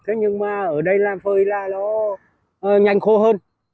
thế nhưng mà ở đây làm phơi là nó nhanh khô hơn